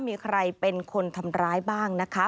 มีใครเป็นคนทำร้ายบ้างนะคะ